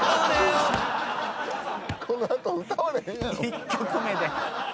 １曲目で。